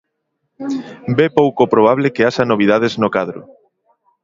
Ve pouco probable que haxa novidades no cadro.